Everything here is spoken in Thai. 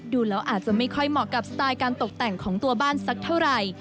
ดูแล้วอาจจะไม่ค่อยเหมาะกับสไตล์การตกแต่งของตัวบ้านสักเท่าไหร่